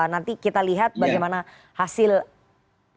nanti kita lihat bagaimana hasilnya